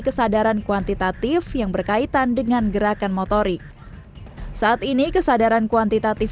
kesadaran kuantitatif yang berkaitan dengan gerakan motorik saat ini kesadaran kuantitatif